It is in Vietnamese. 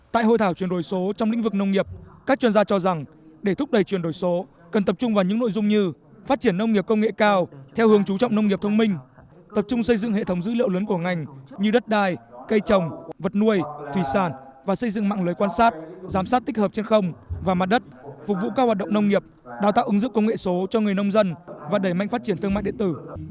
tại hội thảo chuyển đổi số trong lĩnh vực nông nghiệp các chuyên gia cho rằng để thúc đẩy chuyển đổi số cần tập trung vào những nội dung như phát triển nông nghiệp công nghệ cao theo hướng chú trọng nông nghiệp thông minh tập trung xây dựng hệ thống dữ liệu lớn của ngành như đất đai cây trồng vật nuôi thủy sản và xây dựng mạng lưới quan sát giám sát tích hợp trên không và mặt đất phục vụ các hoạt động nông nghiệp đào tạo ứng dụng công nghệ số cho người nông dân và đẩy mạnh phát triển thương mại điện tử